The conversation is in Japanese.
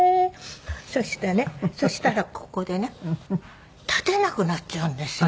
そしてねそしたらここでね立てなくなっちゃうんですよ。